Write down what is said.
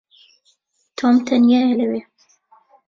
تۆم تەنیایە لەوێ.